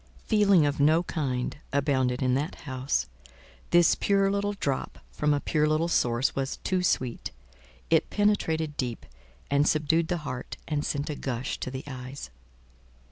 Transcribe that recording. Feeling of no kind abounded in that house; this pure little drop from a pure little source was too sweet: it penetrated deep, and subdued the heart, and sent a gush to the eyes.